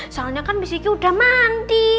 soalnya kan miss kiki udah mandi